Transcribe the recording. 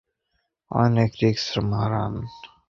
অনেক রিস্ক, মারান।